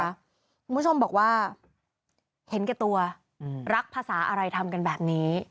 คุณผู้ชมบอกว่าเห็นแก่ตัวรักภาษาอะไรทำกันแบบนี้